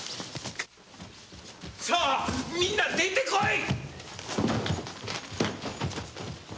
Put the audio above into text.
さぁみんな出て来い！